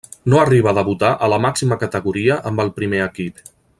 No arriba a debutar a la màxima categoria amb el primer equip.